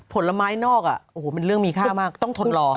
ผลไม้นอกเป็นเรื่องมีค่ามากต้องทดลอง